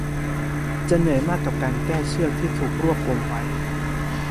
จะเหนื่อยมากกับการแก้เชือกที่ถูกรวบปมไว้